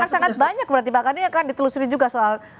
akan sangat banyak berarti bahkan ini akan ditelusuri juga soal